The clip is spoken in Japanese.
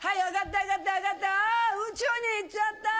あ宇宙に行っちゃった！